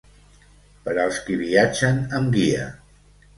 Per als qui viatgen amb guia.